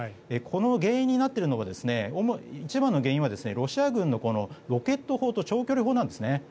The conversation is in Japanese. この原因になっているのが一番の原因はロシア軍のロケット砲と長距離砲なんです。